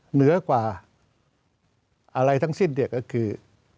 เหนือกว่าอะไรทั้งสิ้นเนี่ยก็คือ